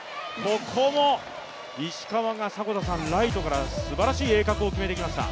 ここも石川がライトからすばらしい鋭角を決めてきました。